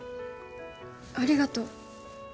ありがとう